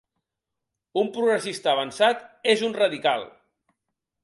Un progressista avançat és un radical.